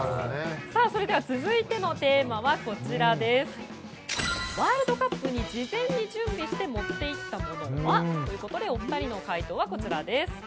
続いてのテーマはワールドカップに事前に準備して用意していったものは？ということでお二人の回答はこちらです。